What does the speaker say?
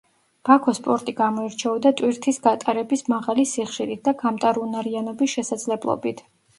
ბაქოს პორტი გამოირჩეოდა ტვირთის გატარების მაღალი სიხშირით და გამტარუნარიანობის შესაძლებლობით.